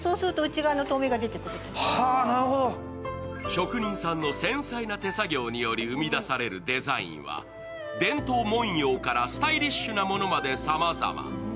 職人さんの繊細な手作業により生み出されるデザインは伝統紋様からスタイリッシュなものまでさまざま。